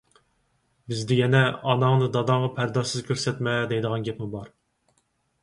بىزدە يەنە: «ئاناڭنى داداڭغا پەردازسىز كۆرسەتمە» دەيدىغان گەپمۇ بار.